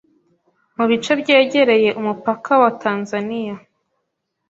mu bice byegereye umupaka wa Tanzania